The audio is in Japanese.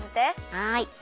はい。